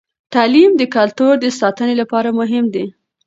تعلیم د کلتور د ساتنې لپاره مهم دی.